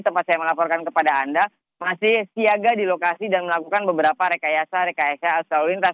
tempat saya melaporkan kepada anda masih siaga di lokasi dan melakukan beberapa rekayasa rekayasa arus lalu lintas